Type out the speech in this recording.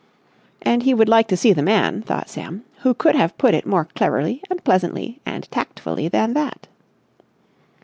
And he would like to see the man, thought Sam, who could have put it more cleverly and pleasantly and tactfully than that.